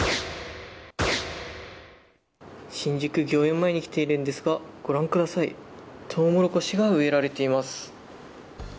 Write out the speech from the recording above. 新宿御苑前に来ているんですが、ご覧くださいトウモロコシが植えられています。